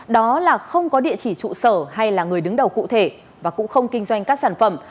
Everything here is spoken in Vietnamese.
đó là không có địa chỉ trụ sở hay là người đứng đầu cụ thể và cũng không kinh doanh các sản phẩm